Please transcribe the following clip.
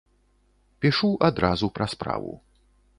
Пішу адразу пра справу.